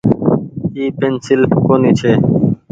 اي پينسيل ڪونيٚ ڇي۔